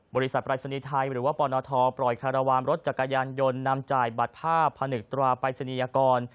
บริษัทปรายศนีย์ไทยหรือว่าปนทปล่อยคารวาลรถจักรยานยนต์นำจ่ายบัตรภาพผนึกตราปรายศนียกร